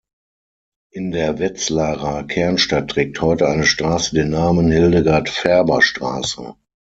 In der Wetzlarer Kernstadt trägt heute eine Straße den Namen "Hildegard-Ferber-Straße".